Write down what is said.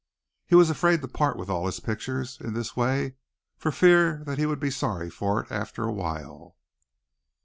He was afraid to part with all his pictures in this way for fear he would be sorry for it after a while.